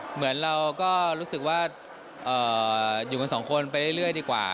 เหมือนเราก็รู้สึกว่าอยู่กันสองคนไปเรื่อยดีกว่า